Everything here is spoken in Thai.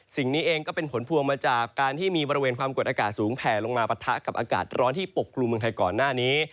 สิ่งนี้เองก็เป็นผลพวงมาจากการที่มีบริเวณความกดอากาศสูงแผ่ลงมาปะทะกับอากาศร้อนที่ปกกลุ่มเมืองไทยก่อนหน้านี้